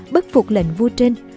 bất phục lệnh vua trên